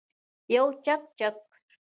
یو چکچک